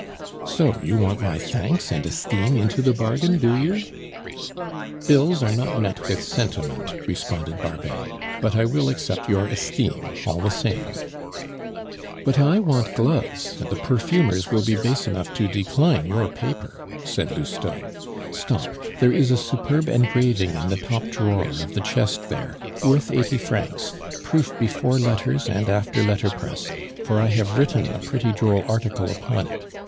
"So you want my thanks and esteem into the bargain, do you?" "Bills are not met with sentiment," responded Barbet; "but I will accept your esteem, all the same." "But I want gloves, and the perfumers will be base enough to decline your paper," said Lousteau. "Stop, there is a superb engraving in the top drawer of the chest there, worth eighty francs, proof before letters and after letterpress, for I have written a pretty droll article upon it.